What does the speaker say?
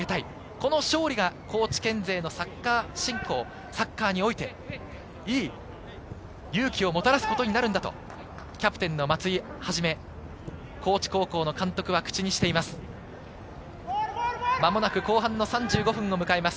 この勝利が高知県勢のサッカー振興、サッカーにおいていい勇気もたらすことになるんだとキャプテンの松井をはじめ、高知高校の監督は口にしています。